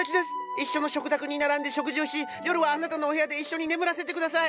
一緒の食卓に並んで食事をし夜はあなたのお部屋で一緒に眠らせて下さい！